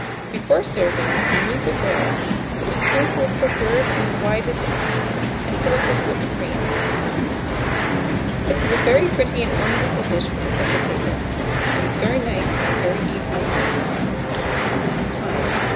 Before serving, remove the bread, put a spoonful of preserve in the widest end, and fill up with whipped cream. This is a very pretty and ornamental dish for the supper table, and is very nice and very easily made. Time.